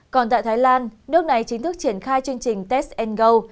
còn tại thái lan nước này chính thức triển khai chương trình test and go